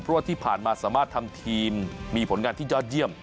เพราะว่าที่ผ่านมาสามารถทำทีมมีผลงานที่ยอดเยี่ยม